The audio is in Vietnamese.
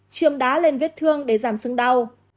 chìm đá lên vết thương để giảm sưng đau